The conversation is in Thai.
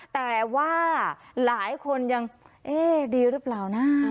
แต่ว่าหลายคนยังเอ๊ะดีหรือเปล่านะ